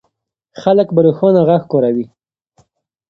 خلک به روښانه غږ کاروي.